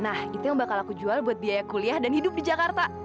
nah itu yang bakal aku jual buat biaya kuliah dan hidup di jakarta